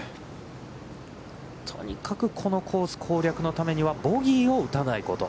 とにかく、このコース攻略のためにはボギーを打たないこと。